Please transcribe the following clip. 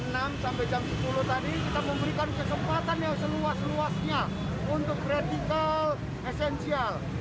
enam sampai jam sepuluh tadi kita memberikan kesempatan yang seluas luasnya untuk kritikal esensial